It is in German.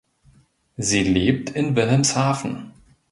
Sie lebt in Wilhelmshaven.